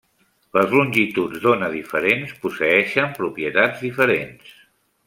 Les longituds d'ona diferents posseeixen propietats diferents.